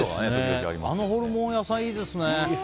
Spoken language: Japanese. あのホルモン屋さんいいですね。